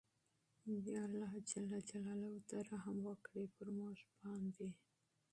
ېاالله ته رحم وکړې پرموګ باندې